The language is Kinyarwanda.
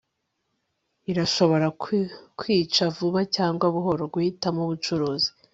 irashobora kukwica vuba cyangwa buhoro; guhitamo umucuruzi